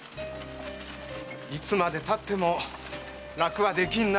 〔いつまでたっても楽はできんな。